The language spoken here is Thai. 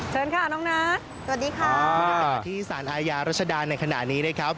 เชิญค่ะน้องนัทสวัสดีครับที่สรรพ์อายารัชดาในขณะนี้นะครับ